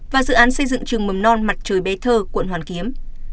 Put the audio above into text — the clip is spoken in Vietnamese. và dự án xây dựng trường mầm non mặt trời bé thơ quận hoàn kiếm